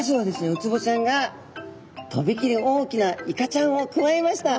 ウツボちゃんがとびきり大きなイカちゃんをくわえました。